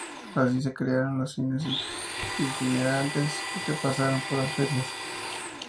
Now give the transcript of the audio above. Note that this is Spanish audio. Así se crearon los cines itinerantes, que pasaron por las ferias.